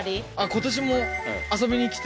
今年も遊びにきて？